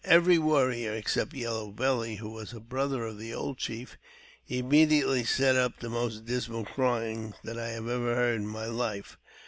Every warrior (except Yellow Belly, who was a brother of the old chief) immediately set up the most dismal cryings that I have ever heard in my life.